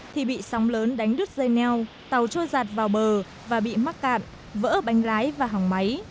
thì bị sóng lớn đánh đứt dây neo tàu trôi giạt vào bờ và bị mắc cạn vỡ bánh lái và hỏng máy